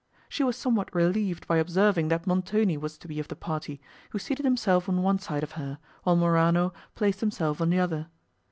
She was somewhat relieved by observing that Montoni was to be of the party, who seated himself on one side of her, while Morano placed himself on the other.